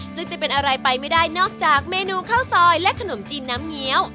ซึ่งจะเป็นอะไรไปไม่ได้นอกจากเมนูข้าวซอยและขนมจีนน้ำเงี้ยว